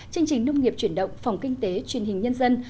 chương trình nông nghiệp chuyển động phòng kinh tế truyền hình nhân dân